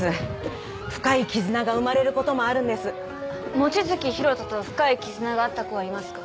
望月博人と深い絆があった子はいますか？